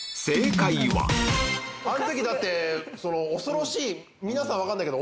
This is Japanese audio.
あん時だって恐ろしい皆さんには分かんないけど。